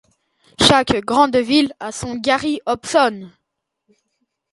Chaque grande ville a son Gary Hobson.